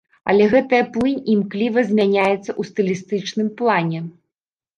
Але гэтая плынь імкліва змяняецца ў стылістычным плане.